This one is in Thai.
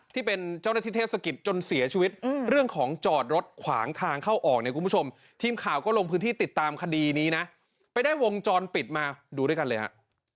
ทีมข่าวก็ลงพื้นที่ติดตามคดีนี้นะไปได้วงจรปิดมาดูด้วยกันเลยฮะ